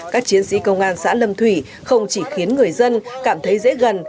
các chiến sĩ công an xã lâm thủy không chỉ khiến người dân cảm thấy dễ gần